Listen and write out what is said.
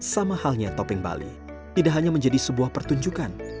sama halnya topeng bali tidak hanya menjadi sebuah pertunjukan